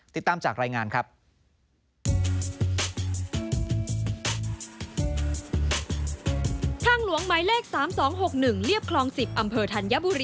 ติดตามจากรายงานครับ